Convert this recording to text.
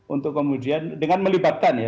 untuk kemudian dengan melibatkan ya